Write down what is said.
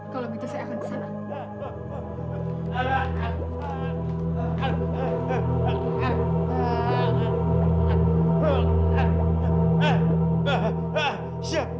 kalau begitu saya akan ke sana